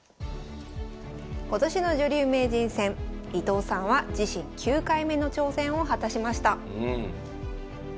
今年の女流名人戦伊藤さんは自身９回目の挑戦を果たしました。